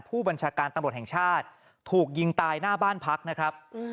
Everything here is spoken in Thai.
ผู้บัญชาการตำรวจแห่งชาติถูกยิงตายหน้าบ้านพักนะครับ